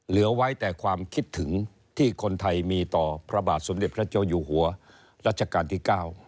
เหลือไว้แต่ความคิดถึงที่คนไทยมีต่อพระบาทสมเด็จพระเจ้าอยู่หัวรัชกาลที่๙